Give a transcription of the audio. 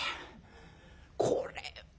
これ。